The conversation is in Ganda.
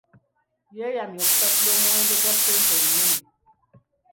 Yeeyamye okusasula omuwendo gwa ssente omunene.